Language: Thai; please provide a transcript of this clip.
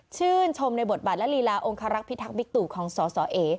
ชื่นชมในบทบาทและลีลาองคารักษ์พิทักษ์บิ๊กตุของสสเอ